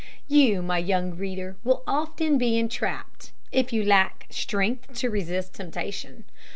You, my young reader, will be often entrapped, if you lack strength to resist temptation.